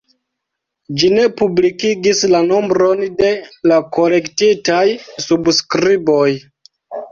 Ĝi ne publikigis la nombron de la kolektitaj subskriboj.